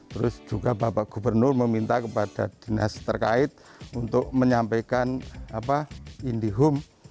terus juga bapak gubernur meminta kepada dinas terkait untuk menyampaikan indihoom